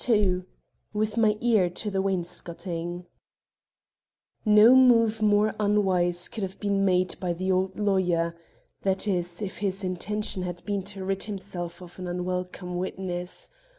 II WITH MY EAR TO THE WAINSCOTING No move more unwise could have been made by the old lawyer, that is, if his intention had been to rid himself of an unwelcome witness.